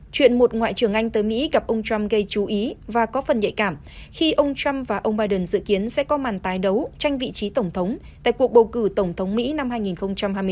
chuyện một ngoại trưởng anh tới mỹ gặp ông trump gây chú ý và có phần nhạy cảm khi ông trump và ông biden dự kiến sẽ có màn tái đấu tranh vị trí tổng thống tại cuộc bầu cử tổng thống mỹ năm hai nghìn hai mươi bốn